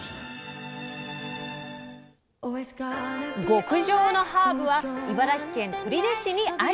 極上のハーブは茨城県取手市にあり！